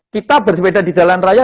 kita bersepeda di jalan raya